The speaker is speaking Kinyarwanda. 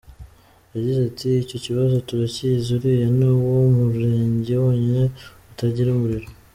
Yagize ati “Icyo kibazo turakizi, uriya ni wo murenge wonyine utagira umuriro.